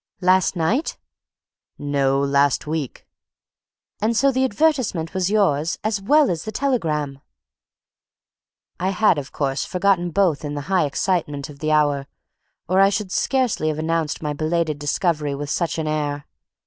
"Last night?" "No, last week." "And so the advertisement was yours, as well as the telegram!" I had, of course, forgotten both in the high excitement of the hour, or I should scarcely have announced my belated discovery with such an air.